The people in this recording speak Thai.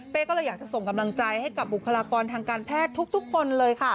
ก็เลยอยากจะส่งกำลังใจให้กับบุคลากรทางการแพทย์ทุกคนเลยค่ะ